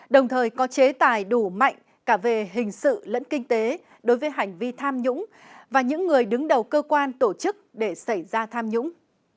đồng thời có chế tài đủ mạnh cả về hình sự lẫn kinh tế đối với hành vi tham nhũng và những người đứng đầu cơ quan tổ chức để xảy ra tham nhũng